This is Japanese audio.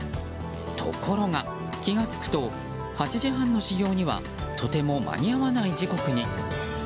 ところが、気が付くと８時半の始業にはとても間に合わない時刻に。